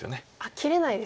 切れないですね。